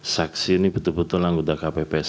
saksi ini betul betul anggota kpps